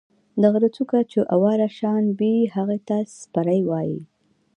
د غرۀ څُوكه چې اواره شان وي هغې ته څپرے وائي۔